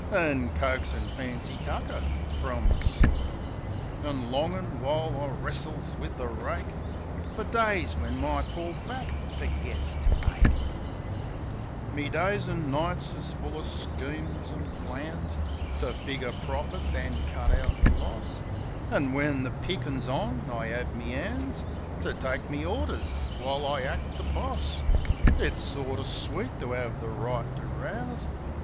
An' coaxin' fancy tucker f rum the soil ; An' longin', while I wrestles with the rake, Fer days when my poor back fergits to ache. UNCLE JIM 97 Me days an' nights is full of schemes an' plans To figger profits an' cut out the loss; An' when the pickin's on, I 'ave me 'an's To take me orders while I act the boss ; It's sorter sweet to 'ave the right to rouse.